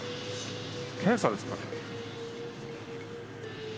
検査ですかね。